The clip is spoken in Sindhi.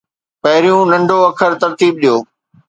پهريون ننڍو اکر ترتيب ڏيو